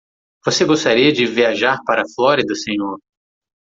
Você gostaria de viajar para a Flórida, senhor?